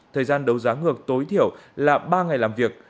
thời gian đấu giá ngược tối thiểu là ba ngày làm việc